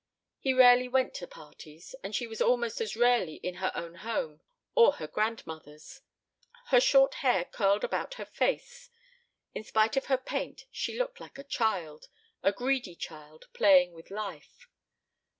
He rarely went to parties, and she was almost as rarely in her own home or her grandmother's. Her short hair curled about her face. In spite of her paint she looked like a child a greedy child playing with life.